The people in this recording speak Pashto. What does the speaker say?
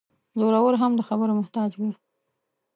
زورور هم د خبرو محتاج وي.